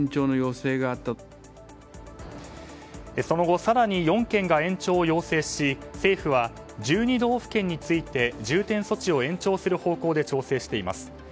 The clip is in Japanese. その後更に４県が延長を要請し政府は１２道府県について重点措置を延長する方向で調整しています。